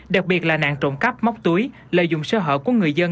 đặc biệt là nạn trộm cắp móc túi lợi dụng sơ hở của người dân